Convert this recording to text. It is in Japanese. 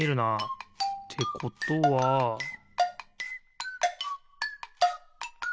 ってことはピッ！